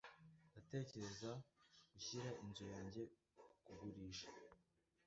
Ndatekereza gushyira inzu yanjye kugurisha.